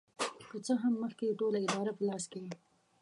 که څه هم مخکې یې ټوله اداره په لاس کې وه.